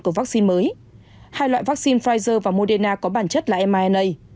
của vaccine mới hai loại vaccine pfizer và moderna có bản chất là mina